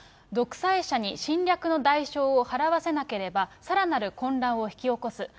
独裁者に侵略の代償を払わせなければ、さらなる混乱を引き起こす。